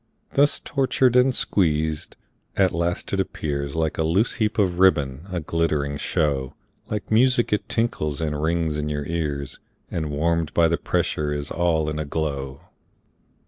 Thus tortured and squeezed, at last it appears Like a loose heap of ribbon, a glittering show, Like music it tinkles and rings in your ears, And warm'd by the pressure is all in a glow.